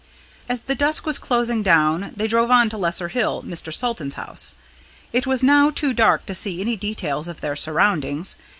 As the dusk was closing down, they drove on to Lesser Hill, Mr. Salton's house. It was now too dark to see any details of their surroundings.